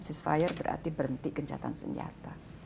ceasefire berarti berhenti gencatan senjata